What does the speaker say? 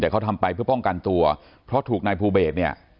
แต่เขาทำไปเพื่อป้องกันตัวเพราะถูกนายภูเบสเนี่ย